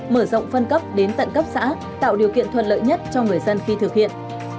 mở rộng phân cấp đến tận cấp xã tạo điều kiện thuận lợi nhất cho người dân khi thực hiện